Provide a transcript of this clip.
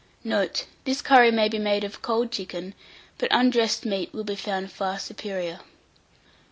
Note. This curry may be made of cold chicken, but undressed meat will be found far superior.